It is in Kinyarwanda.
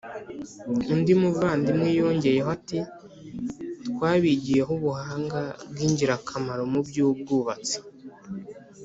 Undi muvandimwe yongeyeho ati twabigiyeho ubuhanga bw ingirakamaro mu by ubwubatsi